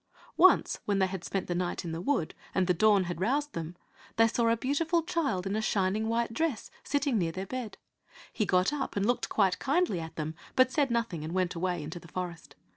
Once when they had spent the night in the wood and the dawn had roused them, they saw a beautiful child in a shining white dress sitting near their bed. He got up and looked quite kindly at them, but said nothing and went away into the forest.